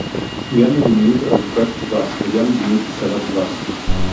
גם מדיניות ארוכת טווח וגם מדיניות קצרת טווח